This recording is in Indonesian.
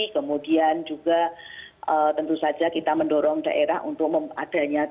kemudian juga tentu saja kita mendorong daerah untuk adanya